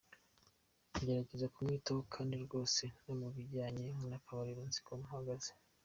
ngerageza kumwitaho kdi rwose no mu bijyanye n’akabariro nziko mpagaze.